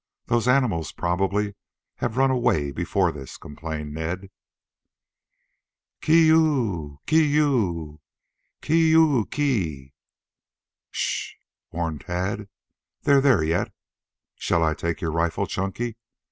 Those animals probably have run away before this," complained Ned. "K i i o o o o ! K i i o o o o! K i i o o o k i!" "S h h h!" warned Tad. "They're there yet. Shall I take your rifle, Chunky?